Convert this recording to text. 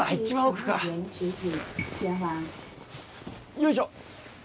よいしょ。